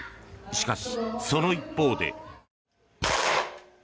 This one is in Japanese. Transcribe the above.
しかし、その一方で。